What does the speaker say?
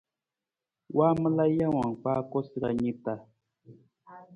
Waamala jawang kpaa koosara ni ta.